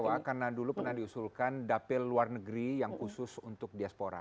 karena dulu pernah diusulkan dapil luar negeri yang khusus untuk diaspora